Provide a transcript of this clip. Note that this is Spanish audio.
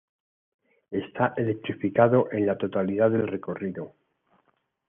Está electrificado en la totalidad del recorrido.